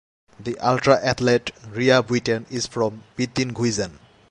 The ultra athlete Ria Buiten is from Biddinghuizen.